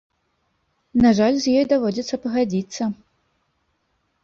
На жаль, з ёй даводзіцца пагадзіцца.